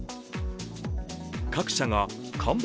各社が看板